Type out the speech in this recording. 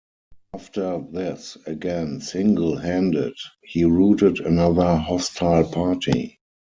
After this, again single-handed, he routed another hostile party.